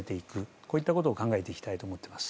こういったことを考えていきたいと思っています。